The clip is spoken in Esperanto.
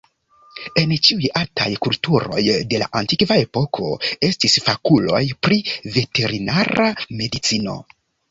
En ĉiuj altaj kulturoj de la antikva epoko estis fakuloj pri veterinara medicino.